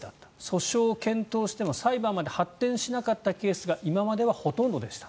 訴訟を検討しても裁判まで発展しなかったケースが今まではほとんどでした。